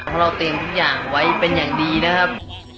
เพราะเราเตรียมทุกอย่างไว้เป็นอย่างดีนะครับ